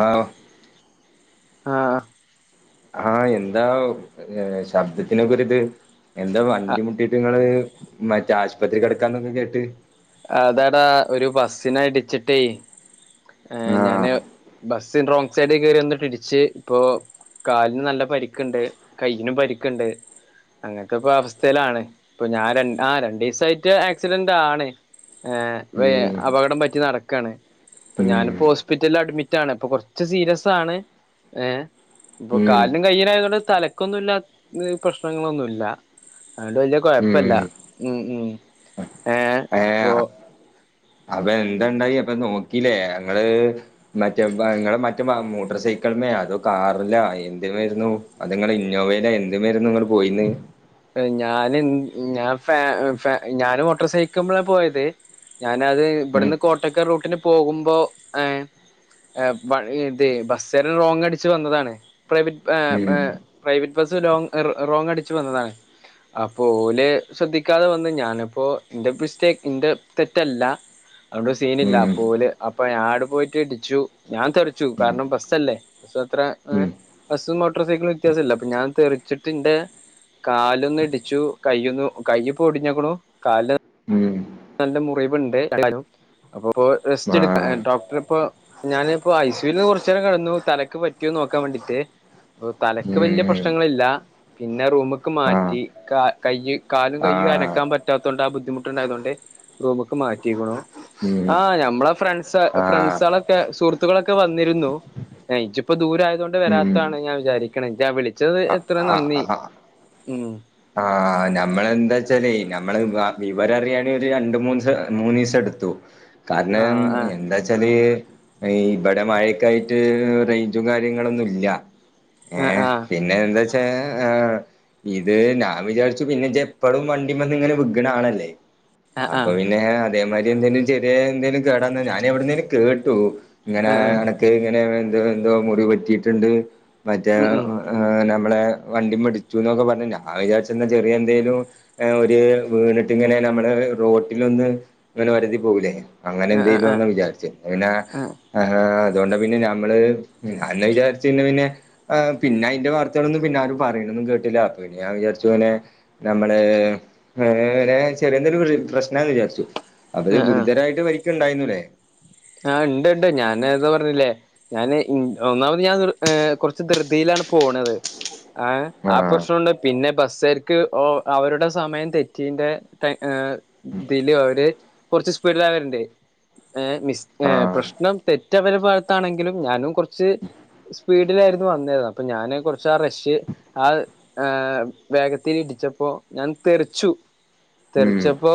ആഹ് ആഹ് ആഹ് എന്താ ശബ്ദത്തിനൊക്കെരിത് എന്താ ആഹ് വണ്ടിമുട്ടി- ങ്ങള് മറ്റേ ആശുപത്രിക്ക് കിടക്കാന്നൊക്കെ കേട്ട്. അതെടാ ഒരു ബസ്സിന ടിച്ചിട്ടേ ഏ ആഹ് ഞാന് ബസിന് റോങ് സൈഡ് കയറി വന്നിട്ട് ഇടിച്ച് ഇപ്പൊ കാലിന് നല്ല പരിക്കുണ്ട് കൈനും പരിക്കുണ്ട്. അങ്ങനത്തെ പ്പോ അവസ്ഥയിലാണ് ഇപ്പൊ ഞാൻ ആ രണ്ട് ദിവസയിട്ട് ആക്സിഡന്റ് ആണ് ഏ ഉം അപകടം പറ്റി നടക്കണ് ഉം ഞാനിപ്പോ ഹോസ്പിറ്റലിൽ അഡ്മിറ്റണ് ഇപ്പൊ കുറച്ച് സീരിയസ് ആണ്. ഏഹ് ഇപ്പൊ ഉം കാലിനും കയ്യിനുആയത് കൊണ്ട് തലക്കൊന്നുംല്ല പ്രശ്നങ്ങളൊന്നുമല്ല വലിയ ഉം കുഴപ്പല്ല ഉ ഉ ഏ ഏഹ് പ്പൊ. അപ്പൊ എന്തണ്ടായി അപ്പൊ നോക്കീല്ലേ ഞങ്ങള് മറ്റേ നിങ്ങളടെ മറ്റേ മോട്ടർ സൈക്കിള്മ്മേ അതോ കാറില എന്തിമയിരുന്നു അത് നിങ്ങള് ഇന്നോവയില എന്ത്മെര്ന്ന് നിങ്ങള് പോയിന്. ഞാൻ ഞാ ഫാ ഫാ ഞാന് മോട്ടർ സൈക്കിള് മെ ആ പോയത്. ഞാന് അത് ഉം ഇവിടുന്ന് കോട്ടക്കൽ റൂട്ടിന് പോകുമ്പോ ഏഹ് ഏഹ് ബ് വ ഇ ദേ ബസ് കാരൻ റോങ് അടിച്ച് വന്നതാണ് പ്രൈവ ഏഹ് ഉം ഏഹ് പ്രൈവറ്റ് ബസ് റോങ് അടിച്ച് വന്നതാണ്. [inaudible] അപ്പോ ഓല് ശ്രദ്ധിക്കാതെ വന്നു ഞാനപ്പോ എന്റെ മിസ്റ്റേക്ക് എന്റെ തെറ്റല്ല. അതുണ്ട് സീനില്ല ഉം പോല് അപ്പൊ ഞാട് പോയിട്ട് ഇടിച്ചു ഞാൻ തെറിച്ചു ഉം കാരണം ബസ്സല്ലേ സ്സ് ത്ര ഏഹ് ഉം ബസ്സും മോട്ടർ സൈക്കിളും വ്യത്യാസവില്ല അപ്പോ ഞാൻ തെറിച്ചിട്ട് എൻ്റെ കാലൊന്നു ഇടിച്ചു കയ്യൊന്ന് കൈയ്യിപോ ഒടിഞ്ഞെക്കണു കാല ഉം നല്ല മുറിവുണ്ട് [inaudible] അപ്പൊ റെസ്റ്റെടുക്ക ആഹ് ഡോക്ടറിപ്പോ ഞാന് ഇപ്പൊ ഐ സു ല് ന്ന് കുറച്ചു നേരം കിടന്നു തലക്ക് പറ്റിയോന്ന് നോക്കാൻ വേണ്ടീട്ട് തലക്ക് വലിയ ഉം പ്രശ്നങ്ങളില്ല പിന്നെ റൂമ്ക്ക് ആഹ് മാറ്റി കാ കയ്യ് കാൽ കയ്യും ആഹ് അനക്കാൻ പറ്റാത്തോണ്ട് ആ ബുദ്ധിമുട്ടുണ്ടായതുകൊണ്ട് റൂമ്ക്ക്‌ മാറ്റിക്ക്ണു. ഉം ആഹ് ഞമ്മളെ ഫ്രണ്ട്സ് ആഹ് ഫ്രണ്ട്സളൊക്കെ സുഹൃത്തുക്കളൊക്കെ വന്നിരുന്നു. ഇജ്ജ് പ്പാ ദൂരയായത് കൊണ്ട് ഉം വരാത്താണ് ഞാൻ വിചാരിക്കണെ ഞാൻ വിളിച്ചത് അ എത്ര ആ നന്ദി ആ മ് ആഹ് ഞമ്മളെ എന്താച്ചാലേ നമ്മള് വിവരറിയാനേ ഒരു രണ്ട് മൂന്ന് മൂന്നു ദിവസം എടുത്തു കാരണം ആഹ് ആഹ് എന്താച്ചാല് ഇവിടെ മഴക്കായിട്ട് റേഞ്ചും കാര്യങ്ങളൊന്നും ഇല്ല ആഹ് ഏഹ് പിന്നെ പിന്നെ എന്താ വച്ചാ ഇത് ഞാൻ വിചാരിച്ചു പിന്നെ ജ്ജ് എപ്പലും വണ്ടിമെന്നിങ്ങനെ വിക്ണ ആളല്ലേ ആഹ് ആഹ് അപ്പൊ പിന്നെ ആഹ് അതേമാരി എന്തെലും ചെറിയ എന്തേലും കേടാന്നാ ഞാൻ എവിടെന്നേലും കേട്ടു ആഹ് ഇങ്ങനെയാണ് ഒക്കെ ഇങ്ങനെ എന്തോ എന്തോ മുറി പറ്റിയിട്ടുണ്ട് മറ്റേ ഉം ഉം ആഹ് ഞമ്മളെ വണ്ടിമ്മേടിച്ചു എന്നൊക്കെ പറഞ്ഞെ ഞാൻ വിചാരിച്ചന്നെ ചെറിയ എന്തേലും ഒരു വീണിട്ട് ഇങ്ങനെ നമ്മള് റോട്ടിലൊന്ന് അങ്ങനെ ഒരതി പോകൂലേ അങ്ങനെ ആഹ് എന്തെലും ആഹ് ആണെന്ന വിചാരിച്ചേ അങ്ങന ആഹ് അതുകൊണ്ട് പിന്നെ ഞമ്മള് അന്ന് വിചാരിച്ച് പിന്നെ പിന്നെ ആഹ് പിന്നെ അയ്ന്റെ വാർത്തകളോന്നും പിന്നെ ആരും പറയണൊന്നും കേട്ടില്ല അപ്പൊ പിന്നെ ഞാൻ വിചാരിച്ചു ഇങ്ങനെ നമ്മള് വേറെ ചെറിയെന്തേലും പ്രശ്നാ വിചാരിച്ചു അപ്പത് ആഹ് ആഹ് ഗുരു ആഹ് ഇത്രയിട്ട് പരിക്ക് ഉണ്ടായിന്നുല്ലേ ആഹ് ഇണ്ട് ഇണ്ട് ഞാന് നേരത്തെ പറഞ്ഞില്ലേ ഞാന് ഒന്നാമത് ഞാൻ ഏർ കുറച്ച് ധൃതിലാണ് പോണത് ഏഹ് ആഹ് പ്രശ്നുണ്ട് പിന്നെ ബസ്സർക്ക് അവരുടെ സമയം തെറ്റിന്റെ ഏഹ് തില് അവര് കുറച്ച് സ്പീഡിലാവരുണ്ട് ഏഹ് മിസ് ഏഹ് ആഹ് പ്രശ്നം തെറ്റ് അവരുടെ ഭാഗത്താണെങ്കിലും ഞാനും കുറച്ച് സ്പീഡിലായിരുന്നു വന്നത് അപ്പൊ ഞാന് കുറചാ റഷ് ആങ്‌ വേഗത്തിൽ ഇടിച്ചപ്പോ ഞാൻ തെറിച്ചു ഉം തെറിച്ചപ്പോ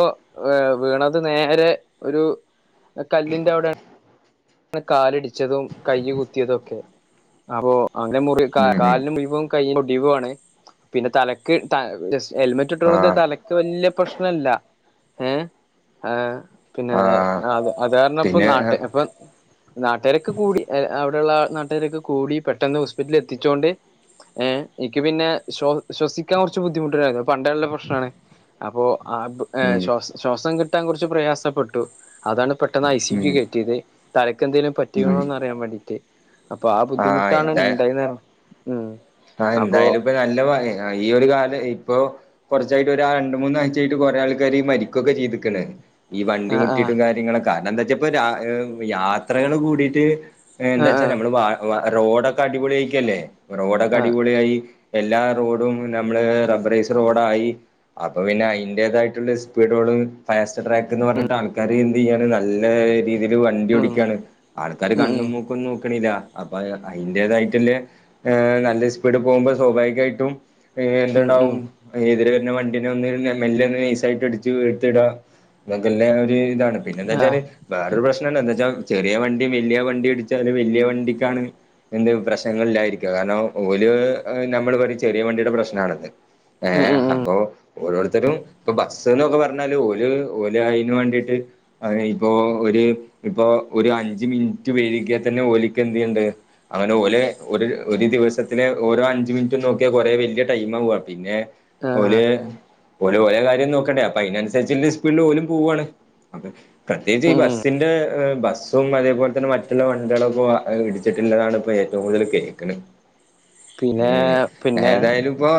വീണത് നേരെ ഒരു കല്ലിന് കാലിടിച്ചതും കയ്യ് കുത്തിയതൊക്കെ അപ്പൊ അങ്ങനെ മുറി [inaudible] ഉം ഉം കാലിനു [inaudible] കൈയിനോടിവുവാണ് പിന്നെ തലക്ക് ത ജസ് ഹെൽമെറ്റ് ഇട്ടതൊണ്ട് ആഹ് തലക്ക് വലിയ പ്രശ്നല്ല ഏഹ് ആഹ് പിന്നെ ആഹ് അത് അതുകാരണം ഇപ്പ പിന്നെ നാട്ട്ക്കിപ്പൊ നാട്ടാരൊക്കെ കൂടി അവിടെള്ള നാട്ടാരൊക്കെ കൂടി പെട്ടെന്ന് ഹോസ്പിറ്റലിൽ എത്തിച്ചോണ്ട് ഏഹ് എനിക്ക് പിന്നെ ശ്വ ശ്വസിക്കാൻ കുറച്ച് ബുദ്ധിമുട്ടാണ്ടയിരുന്നു പണ്ടെള്ള പ്രശ്നണ് അപ്പോ ആഹ് പ് ഉം ങ്‌ ശ്വാസ ശ്വാസം കിട്ടാൻ കുറച്ച് പ്രയാസപ്പെട്ടു അതാണ് പെട്ടെന്ന് ഐ സി യു ഉം ക് കെറ്റിയത് തലക്കെന്തേങ്കിലും ഉം പറ്റിണോന്ന് അറിയാൻ വേണ്ടീട്ട്, അപ്പൊ ആ ആഹ് ബുദ്ധിമുട്ടാണ് ഉണ്ടായുന്ന ആ, എന്തായാലും ഇപ്പൊ നല്ല ഭാഗ്യ ആയി, ഈ ഒരു കാല് ഇപ്പൊ കുറച്ചായിട്ട് ഒരാ രണ്ട് മൂന്നാഴ്ച ആയിട്ട് കുറേ ആൾക്കാര് മരിക്കുവൊക്കെ ചെയ്തേക്കണ്. ഈ വണ്ടി ആഹ് ആഹ് മുട്ടിയിട്ടും കാര്യങ്ങളൊക്കെ കാരണം എന്താ വെച്ചാപ്പ യാത്രകള് കൂടിട്ട്. എന്താച്ചാ ആഹ് നമ്മള് വ റോഡൊക്കെ അടിപൊളിയ ആയിക്കല്ലേ, റോഡൊക്കെ ആഹ് ആഹ് അടിപൊളി ആയി. എല്ലാ റോഡും നമ്മള് റബ്ബറൈസ് റോഡായി. അപ്പൊ പിന്നെ അതിന്റേതായിട്ടുള്ള സ്പീഡോ ഫാസ്റ്റ ട്രാക്ക്ന്ന് പറഞ്ഞിട്ട് ആൾക്കാര് എന്ത് ചെയ്യാണ് നല്ല രീതി ഇതില് വണ്ടി ഉം ഓടിക്കയാണ് ആൾക്കാര് ഉം കണ്ണും മൂക്കൊന്നും നോക്ക്‌ണില്ലാ അപ്പൊ അയ്ന്റേതായിട്ടുള നല്ല സ്പീഡ് പോകുമ്പോ സ്വാഭാവികായിട്ടും ഉം ഉം ഉം എന്തുണ്ടാവും എതിരെ വണ്ടിനെ ഒന്ന് മെല്ലെ ഒന്ന് നെയ്സ് ആയിട്ട് ഇടിച്ച് എടുത്തിടാ ഒരു ഇതാണ് പിന്നെ ആഹ് എന്താച്ചാല് വേറൊരു പ്രശ്നണ്ട എന്ന് വച്ചാ ചെറിയ വണ്ടി വലിയ വണ്ടി അടിച്ചാല് വലിയ വണ്ടിക്കാണ് എന്ത് പ്രശ്നങ്ങളില്ലായിരിക്ക കാരണം ഓല് നമ്മള് പഠിച്ച ചെറിയ വണ്ടിയുടെ പ്രശ്നണത് ഉം ഏഹ് ഉം ഉം അപ്പൊ ഓരോരുത്തരും ഇപ്പൊ ബസ്ന്നൊക്കെ പറഞ്ഞാല് ഓല് അയിന് വേണ്ടിട്ട്. അ ഇപ്പോ ഒരു ഇപ്പൊ ഒരു അഞ്ച് മിനിറ്റ് വേഴിക്കാ തന്നെ ഓലക്ക് എന്തേയ്ണ്ട് അങ്ങാനൊലെ ഒരു ഒരു ദിവസത്തെ ഓരോ അഞ്ചു മിനിറ്റ് നോക്കിയാ കൊറെേ വലിയ ടൈം ആവാ പിന്നെ ആഹ് ഒലെ ഓല് ഓലെ കാര്യം നോക്കണ്ടേ അപ്പൊ അതിനനുസരിച്ച് സ്പീഡിൽ ഓലും പോവുവാണ് അപ്പം പ്രത്യേകിച്ച് ഈ ഉം ബസ്സിന്റെ ബസ്സും അതേപോലെ തന്നെ മറ്റുള്ള വണ്ടികളൊക്കെ ഇടി ട്ടിലുള്ളതാണ് ഇപ്പോൾ ഏറ്റവും കൂടുതല് കേൾക്കുന്നത്. പിന്നെ ഉം പിന്നെ ഏതായാലും ഇപ്പൊ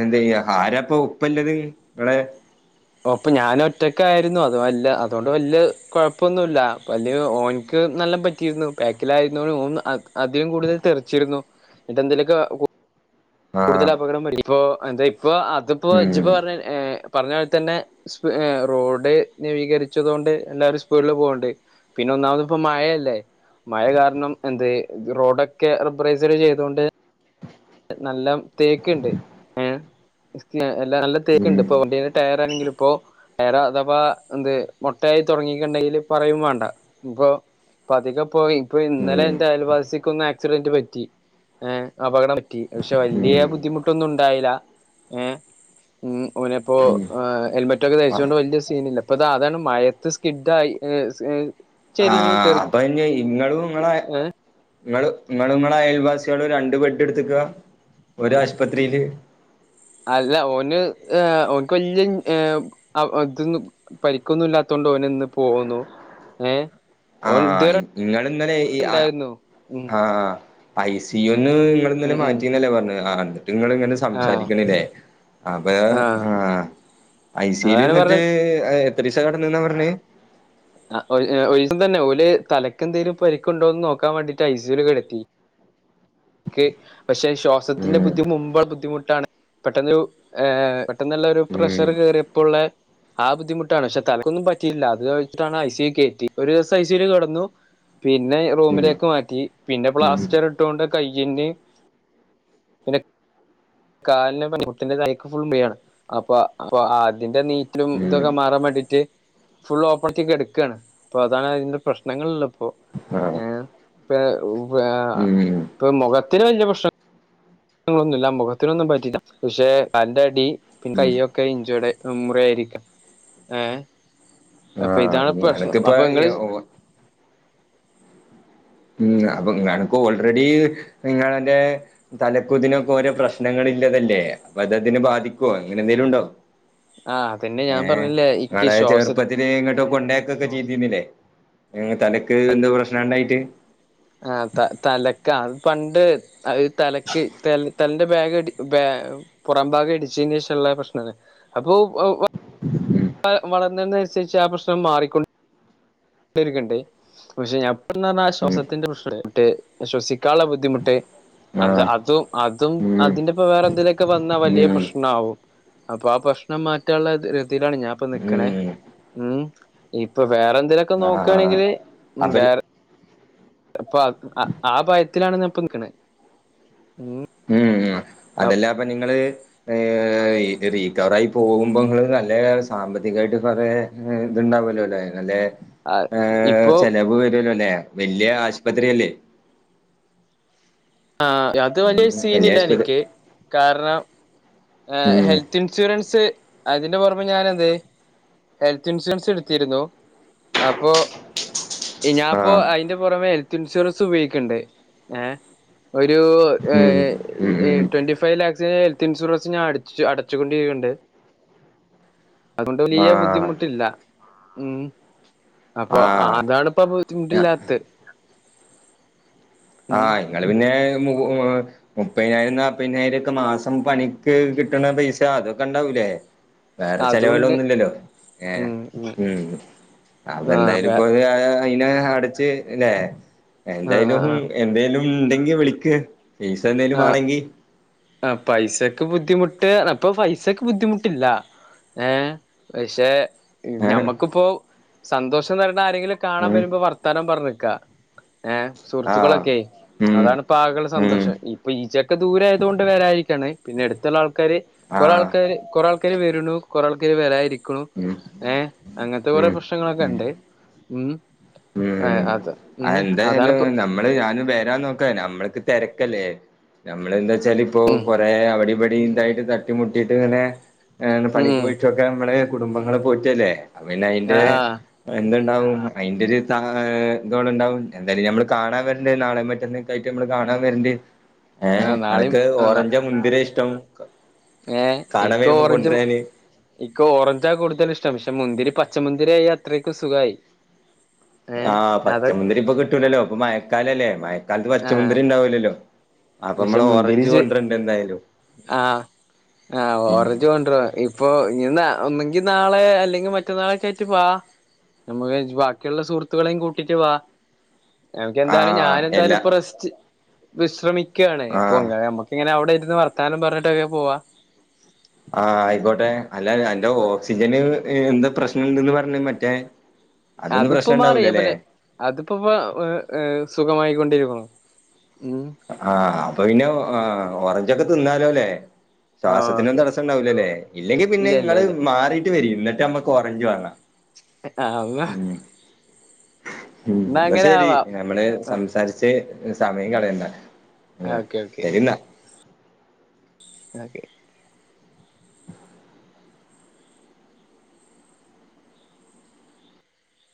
എന്താ ചെയ്യാ ആരാ ഇപ്പൊ ഉപ്പല്ലത് ഇങ്ങളെ ഓ അപ്പൊ ഞാൻ ഒറ്റക്ക് ആയിരുന്നു, അത് വല്ല, അതുകൊണ്ട് വലിയ കുഴപ്പൊന്നുമില്ല വല്ല്യ ഓനിക്ക് നല്ല പറ്റ ർന്നു. ബാക്കിലായിരുന്നോണ്ട് ഓൻ അധികം കൂടുതൽ തെറിച്ചിരുന്നു ഇന്നിട്ട് എന്തേലുമൊക്കെ കൂടുതൽ ആഹ് അപകടം പറ്റും ഇപ്പൊ എന്താ ഇപ്പൊ അതിപ്പോ ഉം ഇജിപ്പോ പറഞ്ഞ പറഞ്ഞ പോല തന്നെ ഇപ്പോ റോഡ് നവീകരിച്ചത് കൊണ്ട്, എല്ലാവാരും സ്പീഡില് പോകണ്ട് പിന്നെ ഒന്നമത് ഇപ്പ മഴയല്ലേ മഴ കാരണം എന്ത് റോഡൊക്കെ റബറൈസസ് ചെയ്ത് കൊണ്ട് നല്ലം തേക്കുണ്ട്, എഹ് നല്ല തേക്ക് ഉം ഉണ്ട് ഇപ്പൊ വണ്ടിന്റെ ടയറാണെങ്കില് ഇപ്പോ വേറെ അഥവാ എന്ത് മുട്ടയായി തുടങ്ങിക്ക്ണ്ടെങ്കില് പറയും വേണ്ട ഇപ്പൊ അധികം ഇപ്പൊ ഇന്നലെ ഉം എന്റെ അയൽവാസിക് ഒന്ന് ആക്സിഡന്റ് പറ്റി ഏഹ് അപകടം പക്ഷെ വലിയ ഉം ബുദ്ധിമുട്ടൊന്നും ഉണ്ടായില്ല ഏഹ് ഉം, ഓനപ്പോ ഉം ഹെൽമെറ്റ് ഒക്കെ ആഹ് ധരിച്ചൊണ്ട് വലിയ സീനില്ല. അപ്പ അതാ അതാണ് മഴയത്ത് സ്കിഡ് ആയി ആഹ് അപ്പൊ ഇനി ഇങ്ങളും ഇങ്ങളെ ഏഹ് ഇങ്ങള്, ഇങ്ങളും അയൽവാസികളും രണ്ട് ബെഡ് എടുത്ത്ക്കാ ഒരു ആശുപത്രിയില് അല്ല ഓന് ഓന്ക്ക് വലിയ ഇൻ ഏഹ് ഇതും പരിക്കൊന്നും ഇല്ലാത്തൊണ്ട് ഓന് ഇന്ന് പോന്നു ഏഹ് ആ ഓൻ ഇതുവരെ ഇങ്ങള് ഇന്നലെ ഈ ആ ഉണ്ടായിരുന്നു ഉം ആ പൈസ തീ ഒന്ന് ഇങ്ങള് ഉം ഇന്നലെ ഉം മാറ്റിന്നല്ലേ പറഞ്ഞെ, എന്നിട്ട് ഇങ്ങൾ ഇങ്ങനെ ആഹ് സംസാരിക്കണില്ലേ അപ്പ ആഹ് ഐ സി യു വി ൽ അതാണ് എന്നിട്ട് പറഞ്ഞ എത്രീസം കെടന്ന് ന്നാ പറഞ്ഞേ ആ ഒര് ഒരീസം തന്നെ ഓല് തലക്കെന്തങ്കിലും പരിക്കൊണ്ടോന്ന് നോക്കൻ വേണ്ടിട്ട് ഐ സി യു. ൽ കിടത്തി. പക്ഷെ ശ്വാസത്തിന്റെ ഉം ബുദ്ധി മുമ്പെ ബുദ്ധിമുട്ടാണ്. പെട്ടെന്ന് ഒരു ഏഹ് പെട്ടെന്നല്ല ഒരു ഉം പ്രഷർ കയറിയപ്പോ ഉള്ള ആ ബുദ്ധിമുട്ടാണ് പക്ഷെ തലക്കൊന്നും പറ്റിയില്ല അത് വെച്ചിട്ടാണ് ഐ സി യു കയറ്റി ഒരു ദിവസം ഐ സി യു വിൽ കിടന്നു. പിന്നെ ഉം റൂമിലേക്ക് മാറ്റി പിന്നെ ഉം പ്ലാസ്റ്റർ ഇട്ടോണ്ട് കൈയിന്റേം കാലിനും മുട്ടിന്റെ താഴേക്ക് ഫുൾ പെയിൻ ആണ് അപ്പൊ അപ്പൊ അതിന്റെ നീറ്റലും ഉം ഇതൊക്കെ മാറാൻ വേണ്ടിട്ട്. ഫുൾ ഓപ്പർറ്റി കെടുക്കാണ് അപ്പോൾ അതാണ് അതിൻ്റെ പ്രശ്നങ്ങള്ള് ഇള്ള ഇപ്പോ ആഹ് ഏ പ്പ പ്പാ ഉം ഉം പ്പൊ മൊഖത്തിന് വല്യ പ്രശ്ന ങ്ങളൊന്നുല്ല മുഖത്തിനൊന്നും പറ്റില്ല പക്ഷെ കാൽന്റടി പിന്നെ കൈയ്യൊക്കെ ഇഞ്ചോട് മുറിയായിരിക്കാ ഏഹ് അപ്പൊ ആഹ് ഇതാണ് ഇനി പ്രശ്നം അനക്കിപ്പോ അപ്പൊ ഇങ്ങള് എ- ഓ- ഉം അപ്പൊ അൻക്ക് ഓൾറെഡീ നിങ്ങളെന്റെ തലക്കൂതിനൊക്കെ ഓരോ പ്രശ്നങ്ങളില്ലതല്ലേ അപ്പൊ അത്‌ അതിനെ ബാധിക്കോ അങ്ങനെന്തേലുണ്ടോ ആഹ് പിന്നെ ഞാൻ പറഞ്ഞിലേ ഇക്ക് ശ്വാസ എങ്ങട്ടോ കൊണ്ടാക്കൊക്കെ ചെയ്തീനില്ലേ തലക്ക് എന്തോ പ്രശ്നണ്ടായിട്ട് ആഹ് തലക്ക പണ്ട് അത് തലക്ക് ത തലന്റെ ബാഗ്ടി ബാ പുറമ്പാകം ഇടിച്ചീന്റേഷള്ള പ്രശ്നമാണ് അപ്പോ ഉം വളർന്നതിനനുസരിച്ച് ആ പ്രശ്നം മാറിക്കൊണ്ട ത്തിണ്ട് പക്ഷെ ഞപ്പന്ന് പർഞ്ഞ ആ ഉം ശ്വാസത്തിന്റെ പ്രശ്നട്ട് ശ്വസിക്കാള്ള ബുദ്ധിമുട്ട് അത് ആഹ് അതും അതും ഉം അതിന്റെപ്പം വേറെന്തേലൊക്കെ വന്നാ വലിയ ഉം പ്രശ്ന നാവും അപ്പാ ആ പ്രശ്നം മാറ്റാള്ള ഒരുതീലാണ് ഞാൻപ്പൊ നിക്ക്ണേ ഉം ഉം ഇപ്പൊ വേറെന്തേലൊക്കെ ആഹ് നോക്കാണെങ്കില് അപ്പൽ വേറെ അപ്പൊ ആ ആ ഭയത്തിലാണ് ഞാപ്പ നിക്കണെ ഉം ഉം ഉം അതെല്ലാപ്പൊ നിങ്ങള് ഏ ഈത് റീക്കവറായി പോകുമ്പോങ്ങള് നല്ലേ സാമ്പത്തികായിട്ട് കുറേ ത്ണ്ടാവോലോല്ലേ നല്ല ഏഹ് ഇപ്പൊ ചെലവ് വരോല്ലോല്ലെ വല്യ ആശ്പത്രിയല്ലേ ആഹ് അത് വല്യ ഉം സീനില്ല ആശുപത്രി എനിക്ക് കാരണം ഉം ഹെൽത്ത് ഇൻഷൂറൻസ് അതിന്റെ പുറമെ ഞാനെന്ത് ഹെൽത്ത് ഇൻഷുറൻസിട്ത്തിരുന്നു അപ്പോ ഞാൻപ്പോ ആഹ് അയ്ന്റെ പൊറമെ ഹെൽത്ത് ഇൻഷൂറൻസ് ഉപയോഗിക്ക്‌ണ്ട് ഏ ഒരൂ ഉം ഉം ഏഹ് ഉം ട്വന്റി ഫൈവ് ലാക്സിന്റെ ഹെൽത്ത് ഇൻഷുറൻ ച്ച് ഞൻ അട അടച്ചുകൊണ്ടിരിക്കുന്നുണ്ട് അതുകൊണ്ട് വലിയ ആഹ് ബുദ്ധിമുട്ടില്ല ഉം അപ്പൊ ആതാണ്പ്പൊ ആഹ് ബുദ്ധിമുട്ടില്ലാത്ത ആ ഉം ഇങ്ങള് പിന്നെ [unintelligible] മുപ്പതിനായിരം നാല്പ്പതിനായിരം ഒക്കെ മാസം പണിട്ത്ത് കിട്ട്ണ പൈസ അതൊക്കെണ്ടാവൂലേ വേറെ അതുകൊണ്ട് ചെലവുകളൊന്നുല്ലല്ലോ ഏ ഉം മ്മ് [unintelligible] ആ ആ എന്തായാലുംപ്പോ അയിനെ അടച്ച് ല്ലേ എന്തായാലും ആ എന്തേലും ഉണ്ടെങ്കി വിളിക്ക് പൈസന്തേലും ആ മാണെങ്കി ആ പൈസക്ക് ബുദ്ധിമുട്ട് പ്പൊ പൈസക്ക് ബുദ്ധിമുട്ടില്ല ഏ പക്ഷെ ഏഹ് ഞമ്മക്ക്‌പ്പോ സന്തോഷംതരണ ആരെങ്കിലും കാണാൻ ഉം വരുമ്പോ വർത്താനം പറഞ്ഞ്ക്ക ഏഹ് ആഹ് സുഹൃത്തുക്കളൊക്കേയ് ഉം അതാണ്പ്പാകെള്ളൊരു ഉം സന്തോഷം ഇപ്പൊ ഈജ്ജോക്കെ ദൂരായതോണ്ട് [unintelligible] വരാതിരിക്കാണ് പിന്നെ എടുത്തുള്ള ആൾക്കാര് കൊറേ ആഹ് ആൾക്കാര് കൊറേ ആൾ ക്കാര് വര്ണു കൊറേ ആൾക്കാര് വരാതിരിക്ക്‌ണു [unintelligible] ഏഹ് അങ്ങൻത്തെ കൊറേ ഉം ഉം പ്രശ്നങ്ങളൊക്കെണ്ട് ഉം ഏ അത് ഉം അതാണ്പ്പൊ മ്മള് ഞാനും വരാൻ നോക്ക നമ്മൾക്ക് തെരക്കല്ലേ നമ്മളെന്താച്ചാല് പ്പൊ ഉം കൊറേ അവിടിവടിണ്ടായിട്ട് തട്ടിമുട്ടിയിട്ട്ങ്ങനെ പണിക്ക് ഉം പോയിട്ടൊക്കെമ്മള് കുടുംബങ്ങളെ പോറ്റല്ലേ അപ്പോപ്പിന്നെ അയിന്റെ ആ ആ എന്തുണ്ടാവും അയ്ന്റെരു ഇതടണ്ടാവും എന്തായാലും നമ്മള് കാണാൻ വരണ്ട് നാളെ മറ്റന്നക്കായ്ട്ട് നമ്മള് കാണാൻ വരണ്ട് ആ ഏഹ നാളെയും അനക് ഓറഞ്ചോ മുന്തിരി ഇഷ്ടം ഏഹ കാണാൻ ഇക്ക വരുമ്പോ ഓറഞ്ചും കൊണ്ടുവരാന് ഇക്ക് ഓറഞ്ചാ കൂടുതലിഷ്ടം പക്ഷെ മുന്തിരി പച്ചമുന്തിരിയായ അത്രക്കും സുഖായി ഏഹ് ആഹ് അത് പച്ചമുന്തിരി ഇപ്പൊ കിട്ടൂലല്ലോ ഇപ്പൊ മയക്കാലല്ലേ മയക്കാലത്ത് ആഹ് പച്ചമുന്തിരി ഉണ്ടാവലല്ലോ അപ്പൊ പക്ഷെ നമ്മള് മുന്തിരി ഓറഞ്ച് ച് കൊണ്ടിരുണ്ട് എന്തായാലും [unintelligible] ആഹ ഓറഞ്ച് കൊണ്ടോ ഇപ്പൊ ഇ ഒന്നങ്കി നാളെ അല്ലെങ്കിൽ മറ്റന്നാളെക്കെ ആയിട്ട് വാ നമ്മുക്ക് ബാക്കിയുള്ള സുഹൃത്തുക്കളെയും കൂട്ടിട്ട് വാ എമക്ക് എന്തായാലും ആഹ് ഞാൻ എല്ലാ എന്തായാലും പ്പ റസ്റ്റ് വിശ്രമിക്കാണ് ആഹ് പ്പങ്ങമ്മക്ക് ഇങ്ങനെ അവിടെ ഇരുന്ന് വർത്താനും പറഞ്ഞിട്ടൊക്കെ പോവാ ആഹ ആയിക്കോട്ടെ അല്ല എന്റെ ഓക്സിജന് എന്താ പ്രശ്നുണ്ട്ന്ന് പറഞ്ഞ മറ്റേ അതൊന്നും പ്രശ്നം ഉണ്ടാവൂലല്ലേ അതിപ്പോപ്പ [unintelligible] സുഖമായിക്കൊണ്ടിരിക്കുന്നു ഉം ആഹ അപ്പൊ പിന്നെ [unintelligible] ഓറഞ്ച്ക്കെ തിന്നാലോ അല്ലേ ആ ശ്വാസത്തിനൊന്ന ഓക്കെ തടസംണ്ടാവില്ലല്ലേ ഇല്ലെങ്കിൽ പിന്നെ ഇല്ല ഇല്ല ഇങ്ങള് ഇല്ല മാറിട്ട് വരി ന്നട്ട് നമ്മക്ക് ഓറഞ്ച് വാങ്ങാം [inaudible] എന്നാ അങ്ങനെ ന്നശരി ആവാം നമ്മള് സംസാരിച്ച് സമയം കളയണ്ട ഉം ആഹ് ഓക്കെ ഓക്കെ ശരിന്നാ ന്ന ഓക്കെ